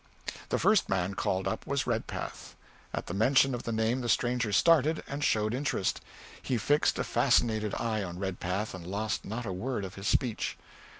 The first man called up was Redpath. At the mention of the name the stranger started, and showed interest. He fixed a fascinated eye on Redpath, and lost not a word of his speech.